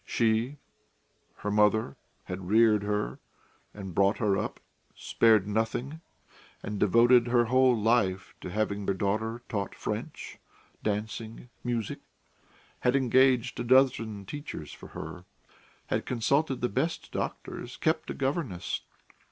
She, her mother, had reared her and brought her up, spared nothing, and devoted her whole life to having her daughter taught French, dancing, music: had engaged a dozen teachers for her; had consulted the best doctors, kept a governess.